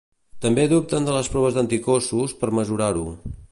També dubten de les proves d'anticossos per mesurar-ho.